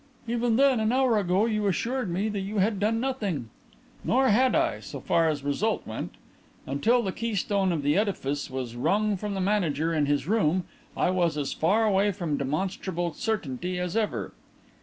"Even then, an hour ago you assured me that you had done nothing." "Nor had I so far as result went. Until the keystone of the edifice was wrung from the manager in his room, I was as far away from demonstrable certainty as ever."